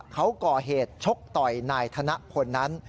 เขาก่อเหตุชกต่อยนายธนพลนั้น